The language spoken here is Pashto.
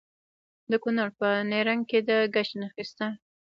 د کونړ په نرنګ کې د ګچ نښې شته.